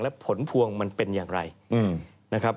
และผลพวงมันเป็นอย่างไรนะครับ